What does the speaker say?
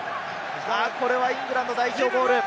これはイングランド代表ボール。